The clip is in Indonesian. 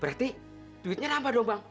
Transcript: berarti duitnya nampa dong bang